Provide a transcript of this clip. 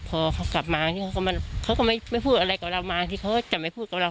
พอเขากลับมาเขาก็ไม่พูดอะไรกับเรามาที่เขาจะไม่พูดกับเรา